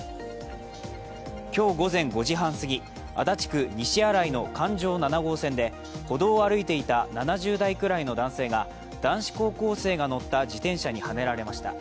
今日午前５時半すぎ、足立区西新井の環状７号線で歩道を歩いていた７０代くらいの男性が男子高校生が乗った自転車にはねられました。